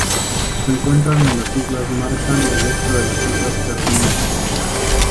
Se encuentran en las Islas Marshall y al este de las Islas Carolinas.